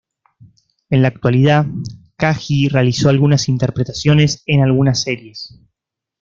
En la actualidad, Kaji realizó algunas interpretaciones en algunas series.